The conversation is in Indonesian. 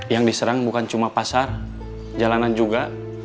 yang diserang bukan cuma pasar jalanan juga